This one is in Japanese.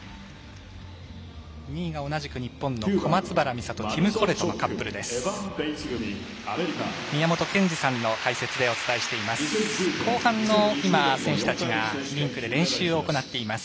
２位が同じく日本の小松原美里ティム・コレトのカップルです。